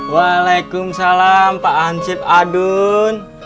waalaikumsalam pak ansip adun